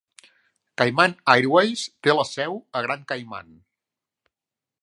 Cayman Airways té la seu a Grand Cayman.